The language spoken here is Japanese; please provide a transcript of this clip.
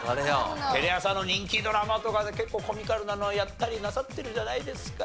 テレ朝の人気ドラマとかで結構コミカルなのをやったりなさってるじゃないですか。